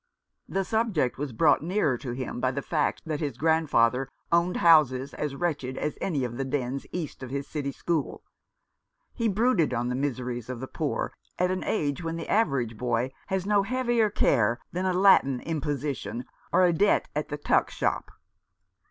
The subject was brought nearer to him by the fact that his grandfather owned houses as wretched as any of the dens east of his City school. He brooded on the miseries of the poor at an age when the average boy has no heavier care than a Latin imposition or a debt at the tuck shop.